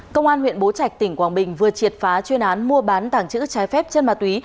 công an huyện bố trạch tỉnh quảng bình vừa triệt phá chuyên án mua bán tảng chữ trái phép chân ma túy